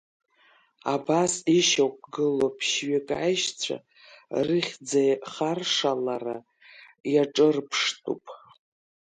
Абас ишьақәгылоу ԥшьҩык аишьцәа рыхьӡеихаршалара иаҿырԥштәуп…